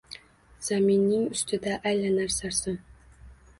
Zaminning ustida aylanar sarson